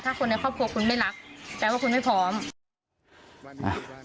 ถ้าคนในครอบครัวคุณไม่รักแปลว่าคุณไม่พร้อม